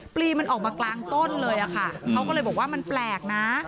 ปลีมันออกมากลางต้นเลยอะค่ะเขาก็เลยบอกว่ามันแปลกนะ